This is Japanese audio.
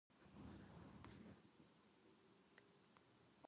荒涼たる冬となり